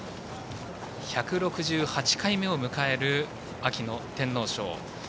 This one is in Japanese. １６８回目を迎える秋の天皇賞。